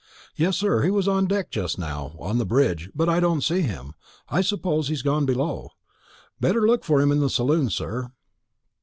Yes, sir, he was on deck just now, on the bridge; but I don't see him, I suppose he's gone below. Better look for him in the saloon, sir."